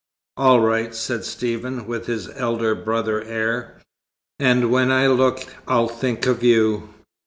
"All right," said Stephen, with his elder brother air. "And when I look I'll think of you."